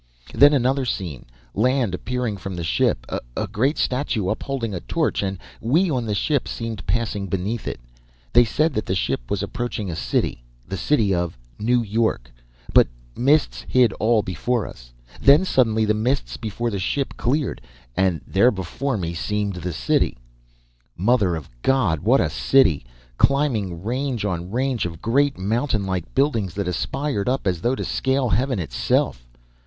"Then another scene, land appearing from the ship. A great statue, upholding a torch, and we on the ship seemed passing beneath it. They said that the ship was approaching a city, the city of New York, but mists hid all before us. Then suddenly the mists before the ship cleared and there before me seemed the city. "Mother of God, what a city! Climbing range on range of great mountain like buildings that aspired up as though to scale heaven itself!